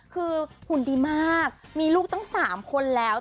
คือหุ่นดีมากมีลูกตั้ง๓คนแล้ว